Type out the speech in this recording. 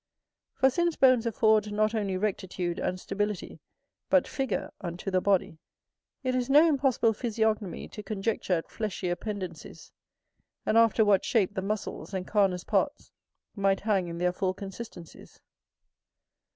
For since bones afford not only rectitude and stability but figure unto the body, it is no impossible physiognomy to conjecture at fleshy appendencies, and after what shape the muscles and carnous parts might hang in their full consistencies.